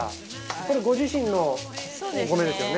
これご自身のお米ですよね？